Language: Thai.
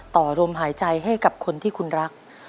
ต่อลมหายใจให้กับคนที่คุณรัก